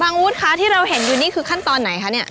อาวุธคะที่เราเห็นอยู่นี่คือขั้นตอนไหนคะเนี่ย